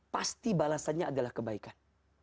pasti balasannya adalah kebaikan